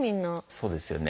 そうですよね。